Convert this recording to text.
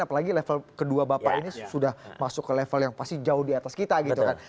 apalagi level kedua bapak ini sudah masuk ke level yang pasti jauh di atas kita gitu kan